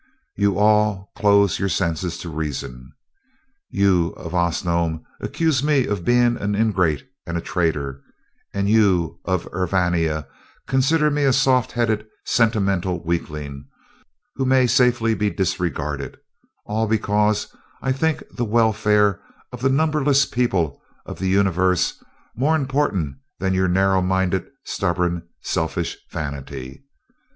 You all close your senses to reason. You of Osnome accuse me of being an ingrate and a traitor; you of Urvania consider me a soft headed, sentimental weakling, who may safely be disregarded all because I think the welfare of the numberless peoples of the Universe more important than your narrow minded, stubborn, selfish vanity.